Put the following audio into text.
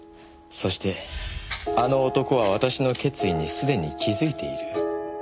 「そしてあの男は私の決意にすでに気づいている」